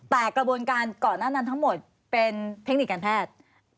แต่กระบวนการก่อนหน้านั้นทั้งหมดเป็นเทคนิคการแพทย์